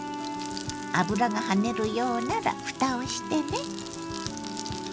油が跳ねるようならふたをしてね。